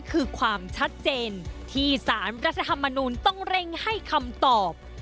คือความชัดเจนที่สารรัฐธรรมนูลต้องเร่งให้คำตอบ